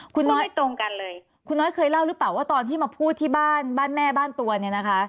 คุณน้อยเคยเล่าหรือเปล่าว่าตอนที่มาพูดที่บ้านบ้านแม่บ้านตัวเนี่ยนะคะ